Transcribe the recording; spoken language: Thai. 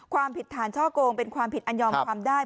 ความผิดฐานช่อกงเป็นความผิดอันยอมความได้